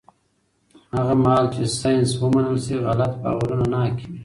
هغه مهال چې ساینس ومنل شي، غلط باورونه نه حاکمېږي.